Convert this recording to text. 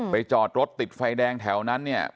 จอดรถติดไฟแดงแถวนั้นเนี่ย